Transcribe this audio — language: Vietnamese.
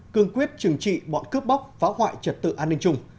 cương quyết trừng trị bọn cướp bóc phá hoại trật tự an ninh chung